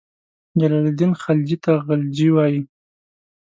جلال الدین خلجي ته غلجي وایي.